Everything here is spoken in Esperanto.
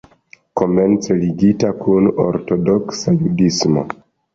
Komence ligita kun Ortodoksa Judismo.